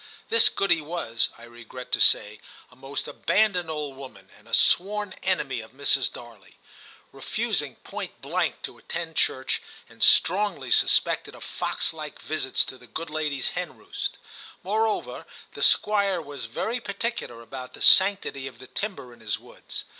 This goody was, I regret to say, a most abandoned old woman, and a sworn enemy of Mrs. Darley ; refusing point blank to attend church, and strongly suspected of foxlike visits to the good lady's hen roost. More over, the Squire was very particular about the sanctity of the timber in his woods.